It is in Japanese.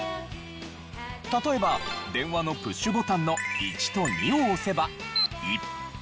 例えば電話のプッシュボタンの１と２を押せば「イ」。